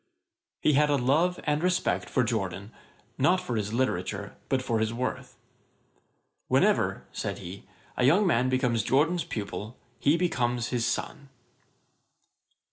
] He had a love and respect for Jorden, not for his literature, but for his worth. 'Whenever (said he) a young man becomes Jorden's pupil, he becomes his son.'